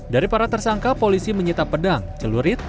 dari para tersangka polisi menyita pedang celurit